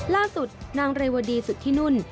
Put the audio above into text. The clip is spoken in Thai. ล่าสุดนางเรวดีสุธินุ่น